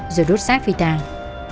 rồi đốt sát phi tàng